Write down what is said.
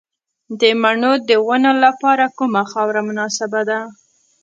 د مڼو د ونو لپاره کومه خاوره مناسبه ده؟